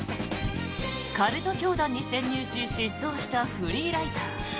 カルト教団に潜入し、失踪したフリーライター。